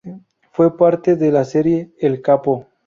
Fue parte de la serie "El Capo".